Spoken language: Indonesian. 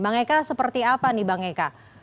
bang eka seperti apa nih bang eka